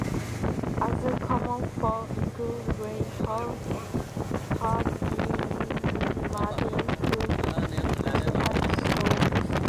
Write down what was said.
Other common fowl include grey hawks, partridges, martins, coots and storks.